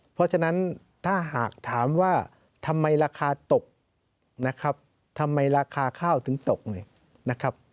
เพราะฉะนั้นถ้าหากถามว่าทำไมราคาตกนะครับทำไมราคาข้าวถึงตกเลยนะครับ